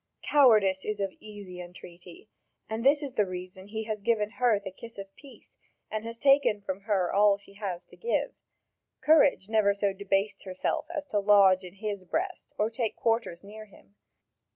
Cowardice is easy of entreaty, and that is the reason he has given her the kiss of peace and has taken from her all she has to give. Courage never so debased herself as to lodge in his breast or take quarters near him.